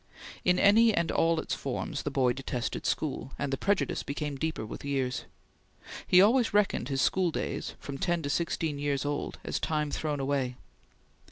In any and all its forms, the boy detested school, and the prejudice became deeper with years. He always reckoned his school days, from ten to sixteen years old, as time thrown away.